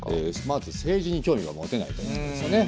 まず「政治に興味がもてない」ということですよね。